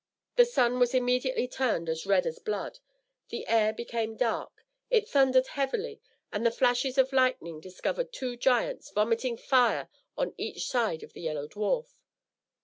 The sun was immediately turned as red as blood, the air became dark, it thundered heavily, and the flashes of lightning discovered two giants vomiting fire on each side of the Yellow Dwarf.